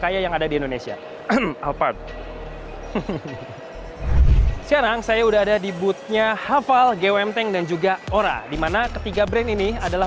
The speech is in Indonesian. alphard sekarang saya udah ada di bootnya hafal gwm tank dan juga ora dimana ketiga brand ini adalah